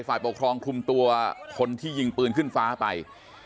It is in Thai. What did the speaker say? ฝ่ายปกครองคลุมตัวคนที่ยิงปืนขึ้นฟ้าไป